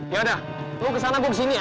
yaudah lu kesana gue kesini ya